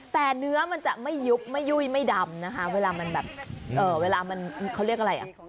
แต่เนื้อมันจะไม่ยุบไม่ยุ่ยไม่ดำนะคะเวลามันแบบเวลามันเขาเรียกอะไรอ่ะ